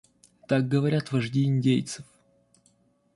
Так говорят вожди индейцев.